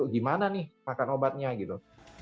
gimana nih makan obatnya gitu